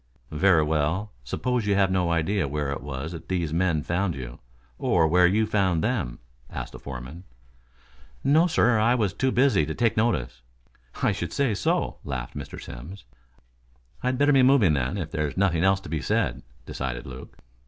"Very well. Suppose you have no idea where it was that these men found you, or where you found them?" asked the foreman. "No, sir. I was too busy to take notice." "I should say so," laughed Mr. Simms. "I'd better be moving then, if there's nothing else to be said," decided Luke.